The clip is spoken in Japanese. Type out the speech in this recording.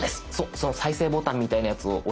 その再生ボタンみたいなやつを押して頂くと。